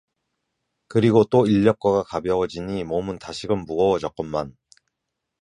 그리고 또 인력거가 가벼워지니 몸은 다시금 무거워졌건만